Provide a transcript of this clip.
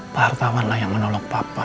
pak hartawan lah yang menolak papa